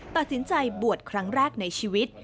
ตัดสินใจบวชครั้งแรกในชีวิต